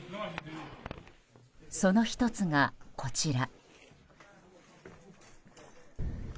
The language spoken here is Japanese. その１つが、こちら。